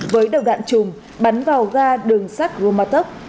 với đầu gạn chùm bắn vào ga đường sát khromatov